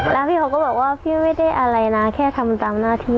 แล้วพี่เขาก็บอกว่าพี่ไม่ได้อะไรนะแค่ทำตามหน้าที่